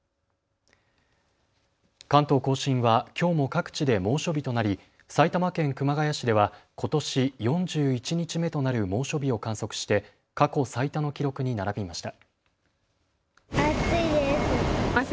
関東甲信はきょうも各地で猛暑日となり、埼玉県熊谷市ではことし４１日目となる猛暑日を観測して過去最多の記録に並びました。